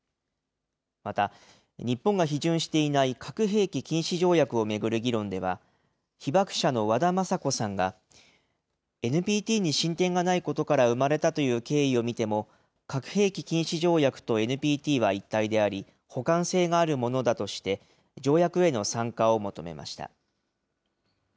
また、日本が批准していない核兵器禁止条約を巡る議論では、被爆者の和田征子さんが、ＮＰＴに進展がないことから生まれたという経緯を見ても、核兵器禁止条約とＮＰＴは一体であり、補完性があるものだとして、条約への参加を求めました。